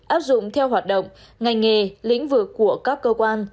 áp dụng theo hoạt động ngành nghề lĩnh vực của các cơ quan